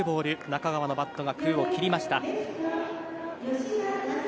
中川のバットが空を切りました。